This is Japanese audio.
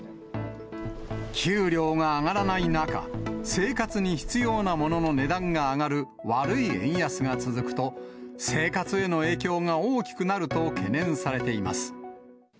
給料が上がらない中、生活に必要なものの値段が上がる悪い円安が続くと、生活への影響が大きくなると懸念されています。